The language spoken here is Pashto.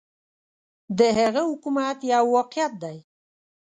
د هغه حکومت یو واقعیت دی.